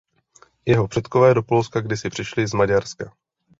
Jeho předkové do Polska kdysi přišli z Maďarska.